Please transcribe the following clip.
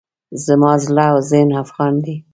زما زړه او ذهن افغان دی.